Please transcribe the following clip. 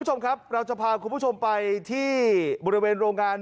คุณผู้ชมครับเราจะพาคุณผู้ชมไปที่บริเวณโรงงาน